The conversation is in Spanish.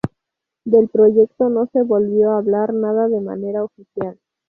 Del proyecto no se volvió a hablar nada de manera oficial.